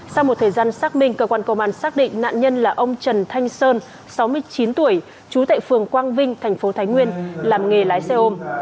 sau một thời gian xác minh cơ quan công an xác định nạn nhân là ông trần thanh sơn sáu mươi chín tuổi trú tại phường quang vinh thành phố thái nguyên làm nghề lái xe ôm